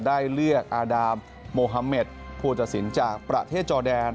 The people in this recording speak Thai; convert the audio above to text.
ได้เลือกอาดามโมฮาเมดผู้ตัดสินจากประเทศจอแดน